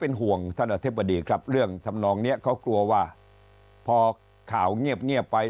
ก็คงจะแต่ก็ต้องดูก่อนว่าจะมีความเห็นอย่างไร